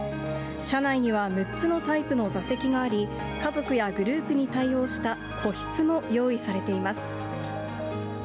車内には６つのタイプの座席があり、家族やグループに対応した個室も用意されています。